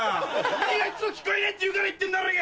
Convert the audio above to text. お前がいっつも聞こえねえって言うから言ってんだろうが！